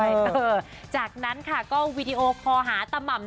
เออจากนั้นค่ะก็วีดีโอคอหาตะหม่ำ